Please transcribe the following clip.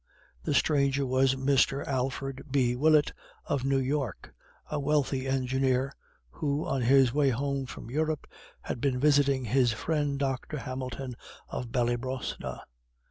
The stranger was Mr. Alfred B. Willett, of New York, a wealthy engineer, who on his way home from Europe had been visiting his friend Dr. Hamilton of Ballybrosna.